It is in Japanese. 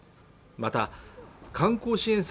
また観光支援策